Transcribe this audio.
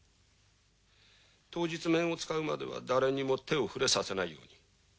当日面を使うまでは誰にも手を触れさせないように。